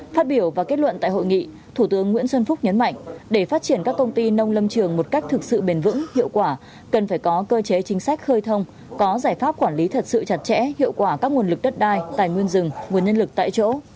phát biểu và kết luận tại hội nghị thủ tướng nguyễn xuân phúc nhấn mạnh để phát triển các công ty nông lâm trường một cách thực sự bền vững hiệu quả cần phải có cơ chế chính sách khơi thông có giải pháp quản lý thật sự chặt chẽ hiệu quả các nguồn lực đất đai tài nguyên rừng nguồn nhân lực tại chỗ